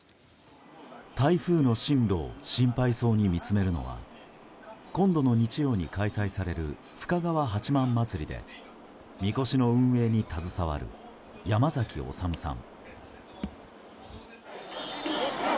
台風の進路を心配そうに見つめるのは今度の日曜に開催される深川八幡祭りでみこしの運営に携わる山崎修さん。